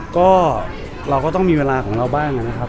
ก็เราก็ต้องมีเวลาของเราบ้างนะครับ